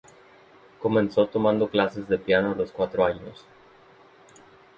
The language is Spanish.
Comenzó tomando clases de piano a los cuatro años.